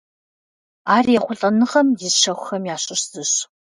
Ар ехъулӀэныгъэм и щэхухэм ящыщ зыщ.